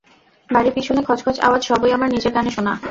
বাড়ির পিছনে খচখচ আওয়াজ-সবই আমার নিজের কানে শোনা।